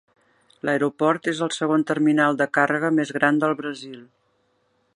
L'aeroport és el segon terminal de càrrega més gran del Brasil.